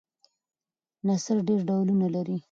نثر ډېر ډولونه لري.